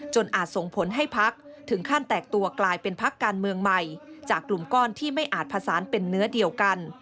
อาจส่งผลให้พักถึงขั้นแตกตัวกลายเป็นพักการเมืองใหม่จากกลุ่มก้อนที่ไม่อาจผสานเป็นเนื้อเดียวกัน